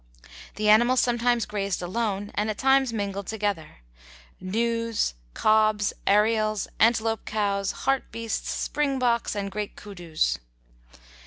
The animals sometimes grazed alone and at times mingled together; gnus, cobs, ariels, antelope cows, hartbeests, springboks, and great kudus.